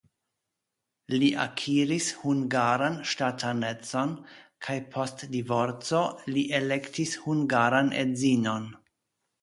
Li akiris hungaran ŝtatanecon kaj post divorco li elektis hungaran edzinon.